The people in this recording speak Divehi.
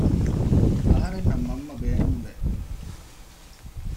އަހަރެންނަށް މަންމަ ބޭނުންވެ